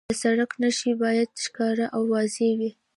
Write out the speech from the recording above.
د سړک نښې باید ښکاره او واضح وي.